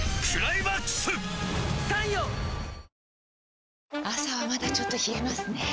ぷはーっ朝はまだちょっと冷えますねぇ。